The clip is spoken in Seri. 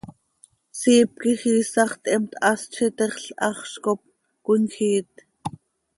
Siip quij iisax theemt, hast z itexl, haxz cop cöimjiit.